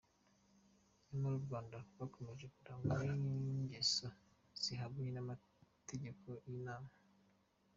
Nyamara u Rwanda rwakomeje kurangwa n’ingeso zihabanye n’amategeko y’Imana.